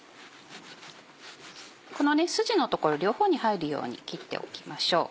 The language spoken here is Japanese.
この筋の所両方に入るように切っておきましょう。